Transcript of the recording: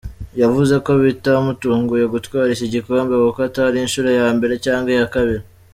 Yavuze ko bitamutunguye gutwara iki gikombe kuko atari inshuro ya mbere cyangwa iya kabiri.